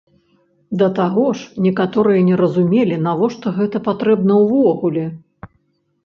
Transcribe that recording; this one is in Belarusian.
Да таго ж некаторыя не разумелі, навошта гэта патрэбна ўвогуле.